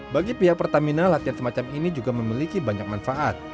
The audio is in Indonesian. bagi pihak pertamina latihan semacam ini juga memiliki banyak manfaat